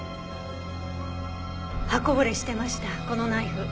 刃こぼれしてましたこのナイフ。